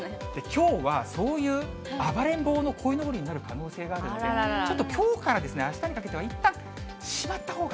きょうは、そういう暴れん坊のこいのぼりになる可能性があるので、ちょっときょうからあしたにかけてはいったんしまったほうが。